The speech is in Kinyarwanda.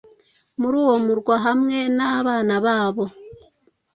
muri uwo murwa hamwe n'abana babo.